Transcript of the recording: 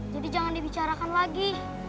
jadi jangan dibicarakan lagi